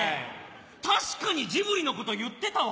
確かにジブリのこと言ってたわ。